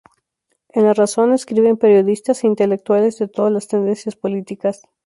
En "La Razón" escriben periodistas e intelectuales de todas las tendencias políticas.